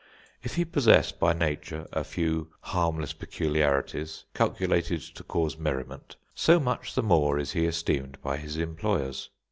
If he possess by nature a few harmless peculiarities, calculated to cause merriment, so much the more is he esteemed by his employers.